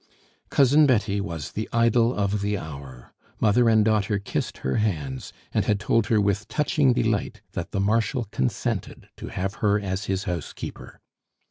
Cousin Betty was the idol of the hour. Mother and daughter kissed her hands, and had told her with touching delight that the Marshal consented to have her as his housekeeper.